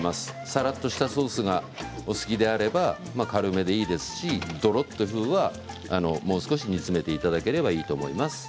さらっとしたソースがお好きであれば軽めでいいですしどろっとは、もう少し煮詰めていただければいいと思います。